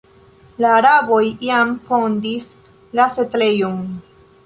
La araboj jam fondis la setlejon.